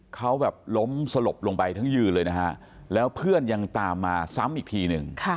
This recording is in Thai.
เขาแบบล้มสลบลงไปทั้งยืนเลยนะฮะแล้วเพื่อนยังตามมาซ้ำอีกทีหนึ่ง